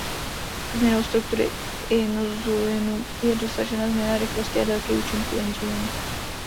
Změnou struktury inzulinu je dosažena změna rychlosti a délky účinku inzulinu.